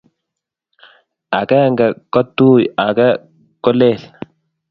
ag'enge ko tui ak age ko lel